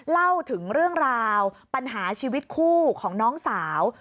เล่าถึงเรื่องราวปัญหาชีวิตคู่ของน้องสาว